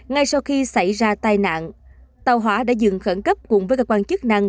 ngay sau khi xảy ra tai nạn tàu hỏa đã dừng khẩn cấp cùng với cơ quan chức năng